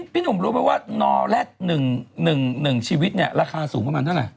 พี่หนุ่มรู้ไหมว่านอแร็ด๑ชีวิตเนี่ยราคาสูงประมาณเท่าไหร่